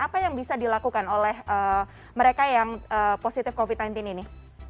apa yang bisa dilakukan oleh mereka yang positif covid sembilan belas ini